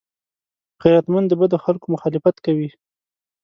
غیرتمند د بدو خلکو مخالفت کوي